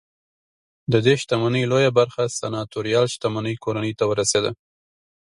ددې شتمنۍ لویه برخه سناتوریال شتمنۍ کورنۍ ته ورسېده